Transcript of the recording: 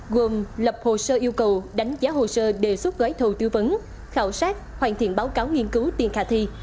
gồm lập hồ sơ yêu cầu đánh giá hồ sơ đề xuất gói thầu tư vấn khảo sát hoàn thiện báo cáo nghiên cứu tiền khả thi